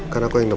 kan aku yang nemu